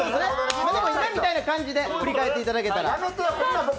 今みたいな感じで振り返っていただけたら。